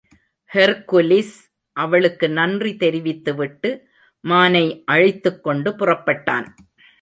Hercules அவளுக்கு நன்றி தெரிவித்துவிட்டு, மானை அழைத்துக்கொண்டு புறப்பட்டான்.